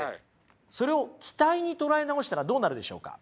それを期待に捉え直したらどうなるでしょうか？